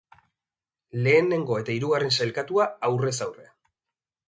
Lehenengo eta hirugarren sailkatua, aurrez aurre.